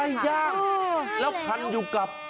ย่างแล้วพันอยู่กับ